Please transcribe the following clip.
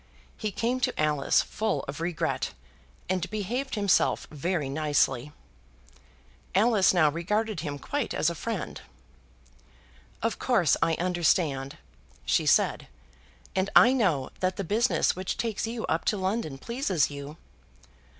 He came to Alice full of regret, and behaved himself very nicely. Alice now regarded him quite as a friend. "Of course I understand," she said, "and I know that the business which takes you up to London pleases you."